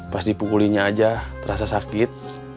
pas dipukulinya aja terasa sakit